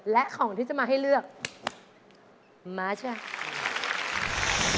และของที่จะมาให้เลือกมาใช่ไหม